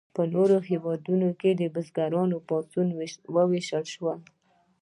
په نورو هیوادونو کې د بزګرانو پاڅونونه وشول.